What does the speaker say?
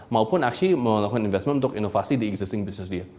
maupun actual melakukan investment untuk inovasi di existing business dia